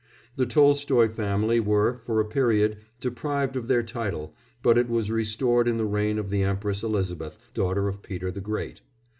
The Tolstoy family were, for a period, deprived of their title, but it was restored in the reign of the Empress Elizabeth, daughter of Peter the Great.